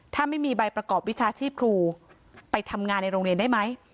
ถ้าไม่มีใบประกอบวิชาชีพครูไปทำงานในโรงเรียนได้ไหม